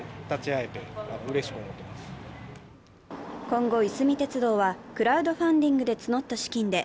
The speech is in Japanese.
今後、いすみ鉄道はクラウドファンディングで募った資金で